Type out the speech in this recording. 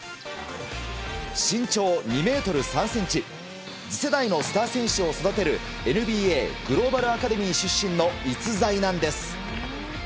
身長２ｍ３ｃｍ次世代のスター選手を育てるＮＢＡグローバルアカデミー出身の逸材なんです。